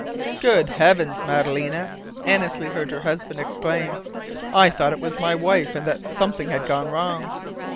"Good heavens, Madalena!" Annesley heard her husband exclaim. "I thought it was my wife, and that something had gone wrong."